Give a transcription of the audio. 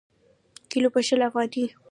کیلـو په شل افغانۍ.